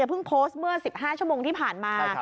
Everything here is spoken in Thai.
เพิ่งโพสต์เมื่อ๑๕ชั่วโมงที่ผ่านมา